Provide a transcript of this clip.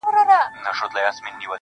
خو دې زما د مرگ د اوازې پر بنسټ.